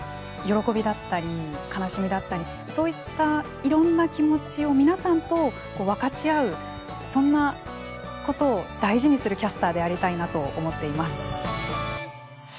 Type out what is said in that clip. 喜びだったり悲しみだったりそういったいろんな気持ちを皆さんと分かち合うそんなことを大事にするキャスターでありたいなと思っています。